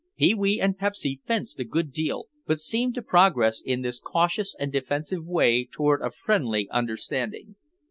Pee wee and Pepsy fenced a good deal but seemed to progress in this cautious and defensive way toward a friendly understanding.